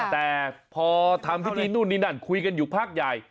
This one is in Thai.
แต่พอทำพิธีนู่นนี่นั่นคุยกันอยู่พักใหญ่